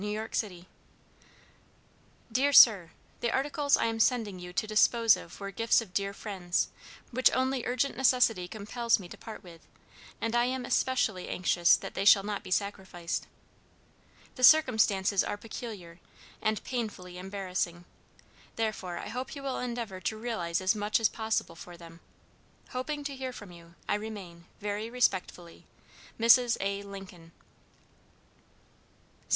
City_ " DEAR SIR: The articles I am sending you to dispose of were gifts of dear friends, which only urgent necessity compels me to part with, and I am especially anxious that they shall not be sacrificed. "The circumstances are peculiar, and painfully embarrassing; therefore I hope you will endeavor to realize as much as possible for them. Hoping to hear from you, I remain, very respectfully, "MRS. A. LINCOLN." "Sept.